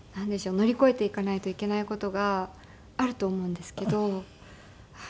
乗り越えていかないといけない事があると思うんですけど。